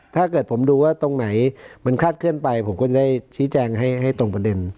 ถ้าเกิดผมดูว่าตรงไหนมันคาดเคลื่อนไปผมก็จะได้ชี้แจงให้ตรงประเด็น